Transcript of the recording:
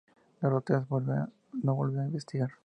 Dorotea no volvió a investigar.